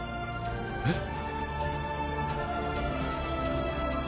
えっ。